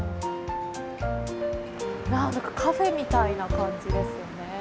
なんだかカフェみたいな感じですね。